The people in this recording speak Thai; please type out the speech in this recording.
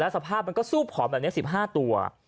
สภาพมันก็ซูบผอมสิบห้าตัว